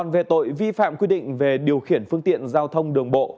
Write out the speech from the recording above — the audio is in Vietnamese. vì phạm quy định về điều khiển phương tiện giao thông đường bộ